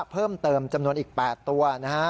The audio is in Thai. เพิ่มเติมจำนวนอีก๘ตัวนะฮะ